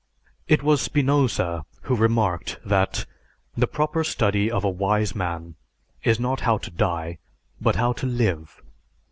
It was Spinoza who remarked that, "The proper study of a wise man is not how to die but how to live."